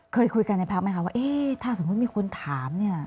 เคยคุยกันในพักไหมคะว่าเอ๊ะถ้าสมมุติมีคนถามเนี่ย